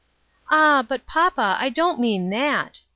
" Ah ! but, papa, I don't mean that."